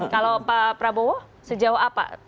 kalau pak prabowo sejauh apa